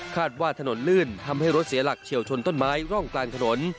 ว่าถนนลื่นทำให้รถเสียหลักเฉียวชนต้นไม้ร่องกลางถนน